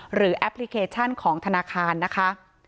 แอปพลิเคชันของธนาคารนะคะ